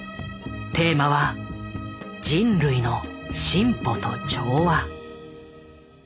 テーマは「人類の進歩と調和」。